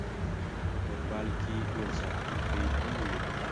په فوټبال کې ګول ساتونکی هم وي